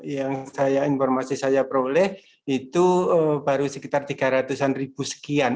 yang informasi saya peroleh itu baru sekitar tiga ratus an ribu sekian